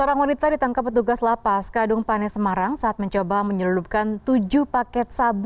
orang orang yang ditangkap langsung dibawa ke mapolres jakarta selatan untuk diperiksa